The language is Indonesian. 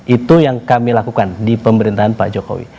itu yang kami lakukan di pemerintahan pak jokowi